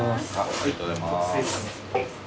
ありがとうございます。